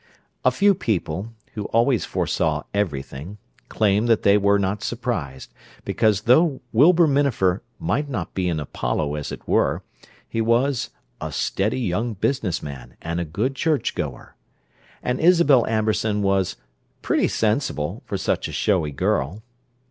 A few people, who always foresaw everything, claimed that they were not surprised, because though Wilbur Minafer "might not be an Apollo, as it were," he was "a steady young business man, and a good church goer," and Isabel Amberson was "pretty sensible—for such a showy girl."